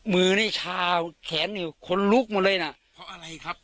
มือนี่ชาแขนอยู่คนลุกหมดเลยน่ะเพราะอะไรครับ